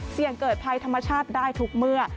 เสี่ยงเกิดภัยธรรมชาติได้ทุกเมื่อ